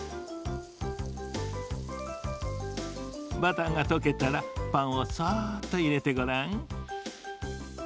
バターがとけたらパンをそっといれてごらん。